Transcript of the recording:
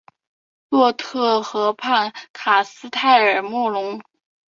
洛特河畔卡斯泰尔莫龙。